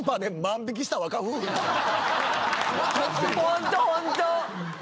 ホントホント。